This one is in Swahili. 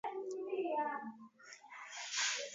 Pia mwaka wa elfu mbili na mbili na Ballon dOr mara mbili